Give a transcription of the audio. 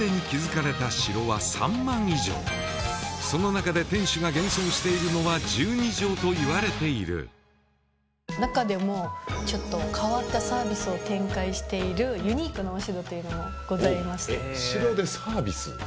その中で天守が現存しているのは１２城といわれている中でもちょっと変わったサービスを展開しているユニークなお城というのもございまして城でサービス？